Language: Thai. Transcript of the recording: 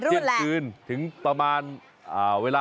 วัยรุ่นแหละ